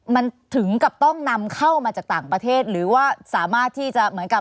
มันถึงกับต้องนำเข้ามาจากต่างประเทศหรือว่าสามารถที่จะเหมือนกับ